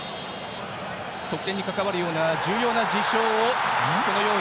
得点にかかわるような重大な事象を。